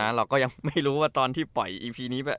เราก็ยังไม่รู้ว่าตอนที่ปล่อยอีพีนี้